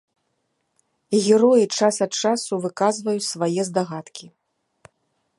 Героі час ад часу выказваюць свае здагадкі.